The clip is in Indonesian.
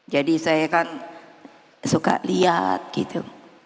jadi saya kan suka lihat gitu